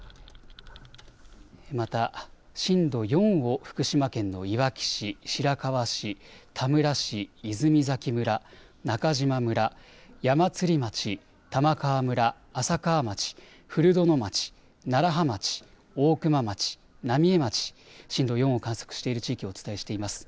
また震度４を福島県のいわき市、白河市、田村市、泉崎村、中島村、矢祭町、玉川村、浅川町、古殿町、楢葉町、大熊町、浪江町、震度４を観測している地域をお伝えしています。